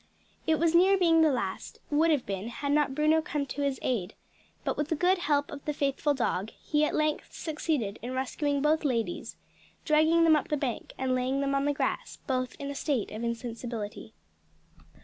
It was near being the last; would have been had not Bruno come to his aid, but with the good help of the faithful dog, he at length succeeded in rescuing both ladies, dragging them up the bank and laying them on the grass, both in a state of insensibility.